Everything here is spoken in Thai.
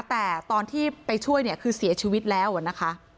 แต่ตอนที่ไปช่วยเนี่ยคือเสียชีวิตแล้วนะคะ